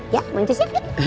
ya mauncus yuk